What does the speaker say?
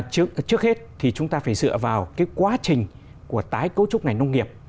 trước hết thì chúng ta phải dựa vào cái quá trình của tái cấu trúc ngành nông nghiệp